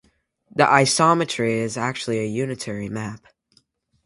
This isometry is actually a unitary map.